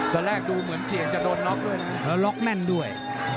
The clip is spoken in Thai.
ตอนแรกดูเหมือนเสี่ยงจะโดนน็อกด้วยนะแล้วล็อกแน่นด้วย